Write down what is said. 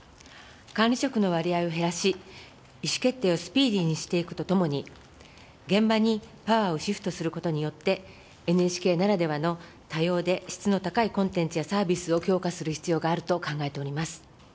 管理職の割合を減らし、意思決定をスピーディーにしていくとともに、現場にパワーをシフトすることによって、ＮＨＫならではの多様で質の高いコンテンツやサービスを強化する必要があると考えております。